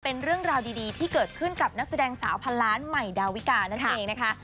เป็นเรื่องราวดีที่เกิดขึ้นกับนักแสดงสาวพันล้านใหม่ดาวิกานั่นเองนะคะ